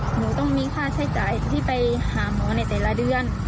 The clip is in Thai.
หนูต้องมีค่าใช้จ่ายที่ไปหาหมอในแต่ละเดือน